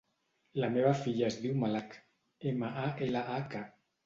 La meva filla es diu Malak: ema, a, ela, a, ca.